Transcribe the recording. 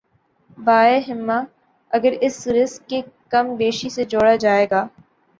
بایں ہمہ، اگر اسے رزق کی کم بیشی سے جوڑا جائے گا۔